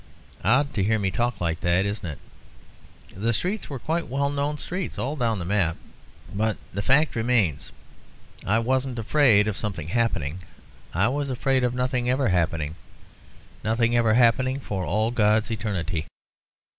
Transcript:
Odd to hear me talk like that, isn't it? The streets were quite well known streets, all down on the map. But the fact remains. I wasn't afraid of something happening. I was afraid of nothing ever happening nothing ever happening for all God's eternity."